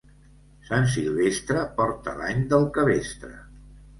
Sant Silvestre porta l'any del cabestre.